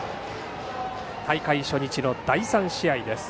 大会初日の第３試合です。